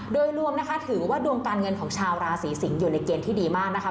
โดยรวมนะคะถือว่าดวงการเงินของชาวราศีสิงศ์อยู่ในเกณฑ์ที่ดีมากนะคะ